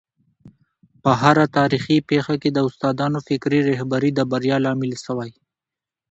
په هره تاریخي پېښه کي د استادانو فکري رهبري د بریا لامل سوی.